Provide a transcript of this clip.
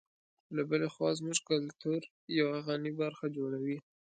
له بلې خوا زموږ کلتور یوه غني برخه جوړوي.